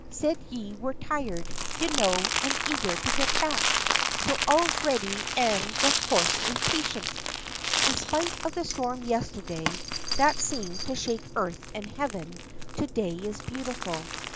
Said ye were tired, ye know, an' eager to get back. And so all's ready an' the horse impatient." In spite of the storm yesterday, that seemed to shake earth and heaven, to day is beautiful.